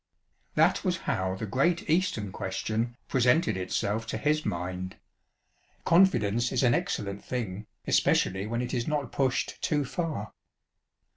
That was how the great "Eastern Question" presented itself to his mind. Confidence is an excellent thing, especially when it is not pushed too far.